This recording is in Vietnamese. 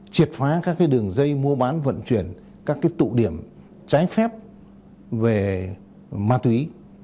triệt phá các đường dây mua bán vận chuyển các tụ điểm trái phép về ma túy